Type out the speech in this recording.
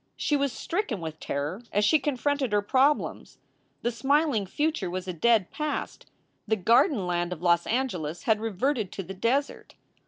She was stricken with terror as she confronted her prob lems. The smiling future was a dead past. The garden land of Los Angeles had reverted to the desert.